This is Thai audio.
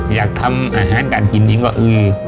อยากทำอาหารการกินจริงก็คือ